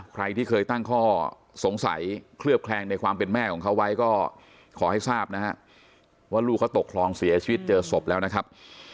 ใครที่เคยตั้งข้อสงสัยเคลือบแคลงในความเป็นแม่ของเขาไว้ก็ขอให้ทราบนะฮะว่าลูกเขาตกคลองเสียชีวิตเจอศพแล้วนะครับ